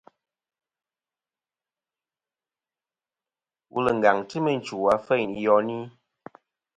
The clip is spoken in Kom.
Wul ngaŋ ti meyn chwò afeyn i yoni.